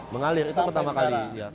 mengalir itu pertama kali